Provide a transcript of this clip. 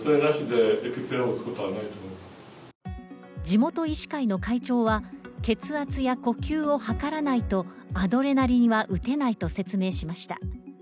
地元医師会の会長は、血圧や呼吸を測らないとアドレナリンは打てないと説明しました。